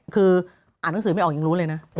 คืออ่านหนังสือไม่ออกยังรู้เลยนะ